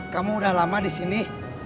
kamu udah lama disini